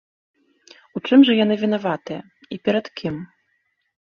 У чым жа яны вінаватыя і перад кім?